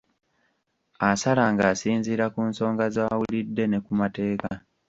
Asala ng'asinziira ku nsonga z'awulidde ne ku mateeka.